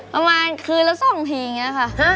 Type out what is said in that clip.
ประมาณคืนละ๒ทีอย่างนี้ค่ะ